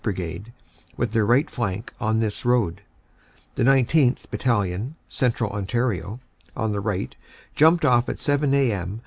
Brigade, with their right flank on this road. The 19th. Battalion, Central Ontario, on the right jumped off at 7 a.m.